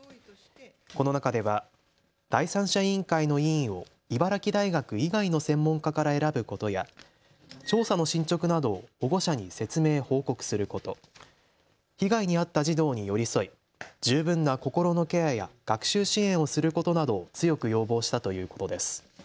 この中では第三者委員会の委員を茨城大学以外の専門家から選ぶことや調査の進捗などを保護者に説明、報告すること、被害に遭った児童に寄り添い十分な心のケアや学習支援をすることなどを強く要望したということです。